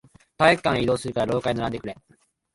体育館へ移動するから、廊下へ並んでくれ。